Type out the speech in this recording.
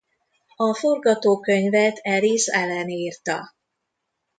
A forgatókönyvet Elise Allen írta.